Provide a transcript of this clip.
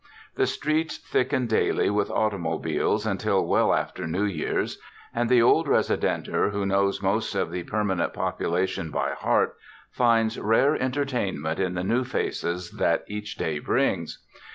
The streets thicken daily with automobiles un til well after New Year's, and the old residenter who knows most of the permanent population by heart, finds rare entertainment in the new faces that each day brings.